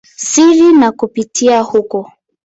siri na kupita huko.